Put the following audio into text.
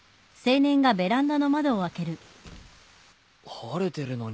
晴れてるのに。